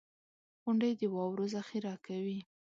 • غونډۍ د واورو ذخېره کوي.